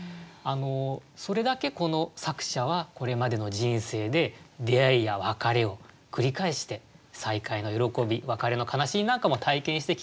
それだけこの作者はこれまでの人生で出会いや別れを繰り返して再会の喜び別れの悲しみなんかも体験してきたんだろうなって。